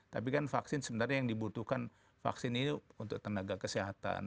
tapi kan vaksin sebenarnya yang dibutuhkan vaksin ini untuk tenaga kesehatan